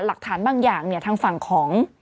ทางฝั่งบางอย่างเนี่ยทางฝั่งของ